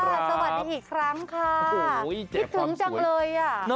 สวัสดีอีกครั้งค่ะโอ้ยคิดถึงจังเลย